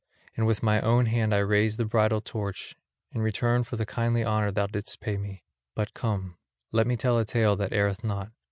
And with my own hand I raised the bridal torch, in return for the kindly honour thou didst pay me. But come, let me tell a tale that erreth not.